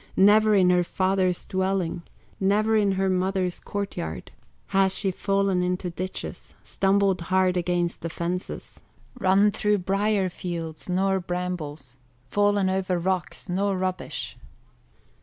Never in her father's dwelling, Never in her mother's court yard, Has she fallen into ditches, Stumbled hard against the fences, Run through brier fields, nor brambles, Fallen over rocks, nor rubbish.